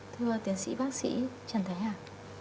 thưa tiến sĩ bác sĩ trần thái hạc